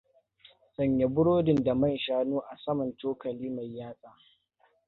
Sanya burodin da man shanu a saman cokali mai yatsa.